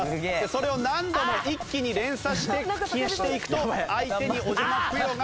それを何度も一気に連鎖して消していくと相手におじゃまぷよが。